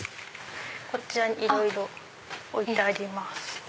こちらにいろいろ置いてあります。